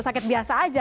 sakit biasa aja